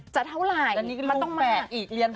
จะเท่าไหร่มันต้องมาจริงค่ะ